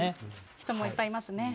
人もいっぱいいますね。